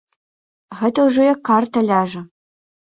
Гэта ўжо як карта ляжа.